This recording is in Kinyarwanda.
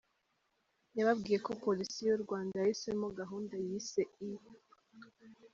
Yababwiye ko Polisi y’u Rwanda yahisemo gahunda yise E.